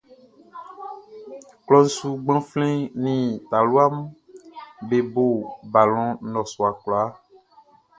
Klɔʼn su gbanflɛn nin talua mun be bo balɔn nnɔsua kwlaa.